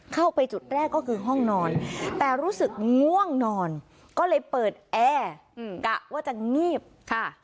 เข้าไปจุดแรกก็คือห้องนอนแต่รู้สึกง่วงนอนก็เลยเปิดแอร์กะว่าจะงีบค่ะ